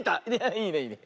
いいねいいね。